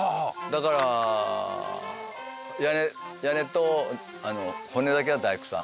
だから屋根と骨だけは大工さん。